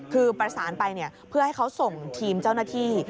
คือประสานไปเพื่อให้เขาส่งทีมเจ้าหน้าที่